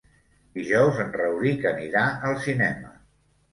Dijous en Rauric anirà al cinema.